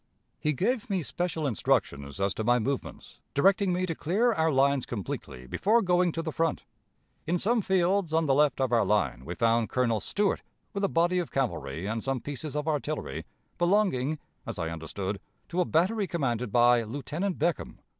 He gave me special instructions as to my movements, directing me to clear our lines completely before going to the front.... In some fields on the left of our line we found Colonel Stuart with a body of cavalry and some pieces of artillery, belonging, as I understood, to a battery commanded by Lieutenant Beckham....